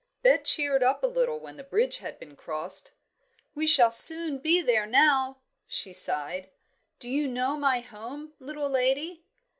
Bet cheered up a little when the bridge had been crossed. "We shall soon be there now," she sighed. "Do you know my home, little lady?"